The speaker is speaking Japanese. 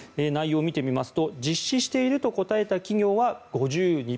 内容を見てみますと実施していると答えた企業は５２％。